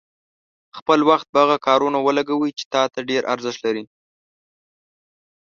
خپل وخت په هغه کارونو ولګوئ چې تا ته ډېر ارزښت لري.